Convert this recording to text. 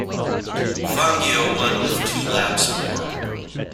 Fangio won with two laps more.